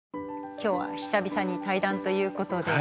今日は久々に対談という事で。